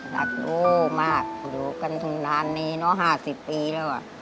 รักลูกมากอยู่กันนานนี้เนอะ๕๐ปีแล้ว